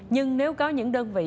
nhưng nếu có những đơn vị